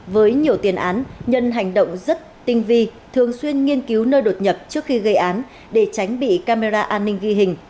với nhiều tiền án nhân hành động rất tinh vi thường xuyên nghiên cứu nơi đột nhập trước khi gây án để tránh bị camera an ninh ghi hình